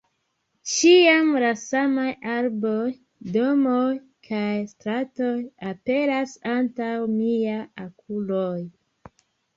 Ĉiam la samaj arboj, domoj kaj stratoj aperas antaŭ miaj okuloj.